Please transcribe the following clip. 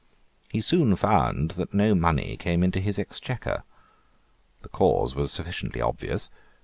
He soon found that no money came into his Exchequer. The cause was sufficiently obvious.